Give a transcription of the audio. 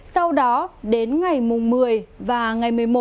sau đó đến ngày mùng một mươi và ngày một mươi một